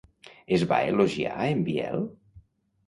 Es va elogiar a en Biel?